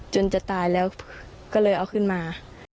จนจะตายแล้วก็เลยเอาขึ้นมา